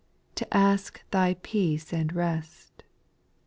To ask Thy peace and rest.